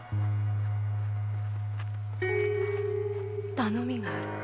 頼みがある。